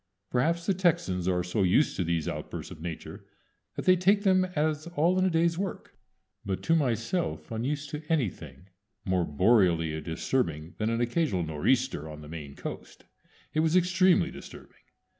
Perhaps the Texans are so used to these outbursts of Nature that they take them as all in the day's work; but to myself, unused to anything more boreally disturbing than an occasional nor'easter on the Maine Coast, it was extremely disturbing.